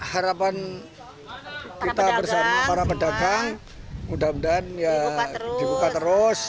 harapan kita bersama para pedagang mudah mudahan ya dibuka terus